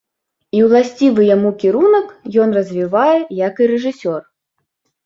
І ўласцівы яму кірунак ён развівае як і рэжысёр.